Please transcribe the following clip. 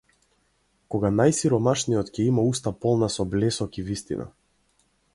Кога најсиромашниот ќе има уста полна со блесок и вистина.